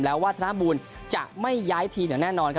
แล้ววาธนบูลจะไม่ย้ายทีมอย่างแน่นอนครับ